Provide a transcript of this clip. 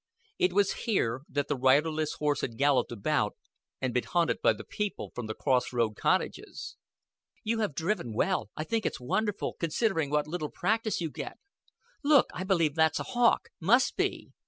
It was here that the riderless horse had galloped about and been hunted by the people from the cross road cottages. "You have driven well. I think it's wonderful, considering what a little practise you get.... Look, I believe that's a hawk. Must be!